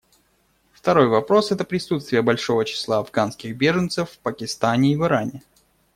Второй вопрос — это присутствие большого числа афганских беженцев в Пакистане и в Иране.